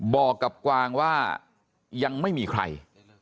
บอกกับกวางว่ายังไม่มีใคร